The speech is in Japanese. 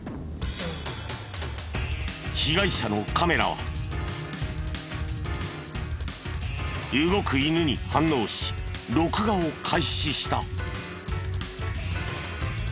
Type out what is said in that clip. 被害者のカメラは動く犬に反応し録画を開始した。